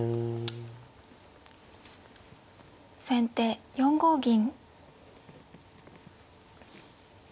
先手４五銀。